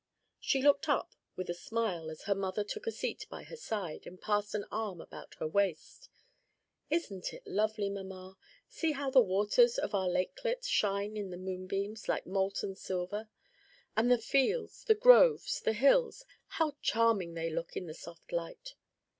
She looked up with a smile as her mother took a seat by her side and passed an arm about her waist. "Isn't it lovely, mamma? see how the waters of our lakelet shine in the moonbeams like molten silver! and the fields, the groves, the hills! how charming they look in the soft light."